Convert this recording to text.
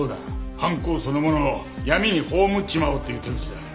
犯行そのものを闇に葬っちまおうっていう手口だ。